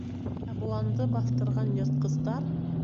Ә боланды баҫтырған йыртҡыстар...